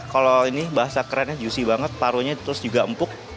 kalau ini bahasa kerennya juicy banget parunya terus juga empuk